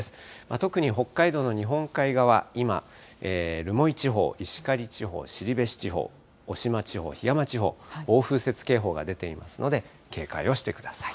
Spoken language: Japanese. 特に北海道の日本海側、今、留萌地方、いしかり地方、後志地方、渡島地方、ひやま地方、暴風雪警報が出ていますので、警戒をしてください。